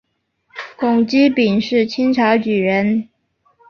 龚积柄是清朝举人。